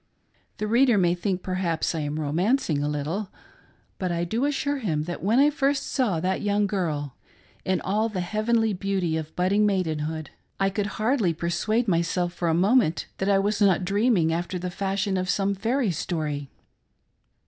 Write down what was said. The reader may perhaps think I am romancing a little, but I do assure him that when I first saw that young girl in all the heavenly beauty of budding maidenhood, I could hardly persuade myself for a moment that I was not dreaming after the fashion of some fairy story.